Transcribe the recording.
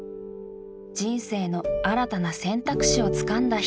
人生の新たな選択肢をつかんだ人。